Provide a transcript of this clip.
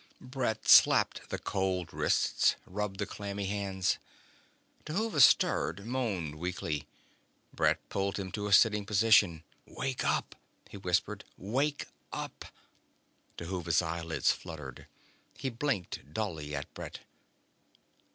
Brett slapped the cold wrists, rubbed the clammy hands. Dhuva stirred, moaned weakly. Brett pulled him to a sitting position. "Wake up!" he whispered. "Wake up!" Dhuva's eyelids fluttered. He blinked dully at Brett.